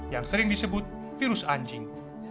yang sering disebut virus anjing